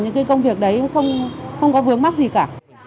những công việc đấy không có vướng mắt gì cả